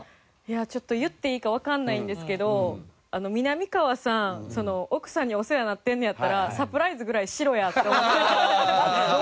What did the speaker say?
ちょっと言っていいかわかんないんですけどみなみかわさん奥さんにお世話になってんねやったらサプライズぐらいしろやってハハハハッ。